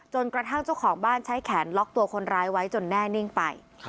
เจ้าของบ้านใช้แขนล็อกตัวคนร้ายไว้จนแน่นิ่งไป